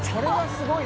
すごい！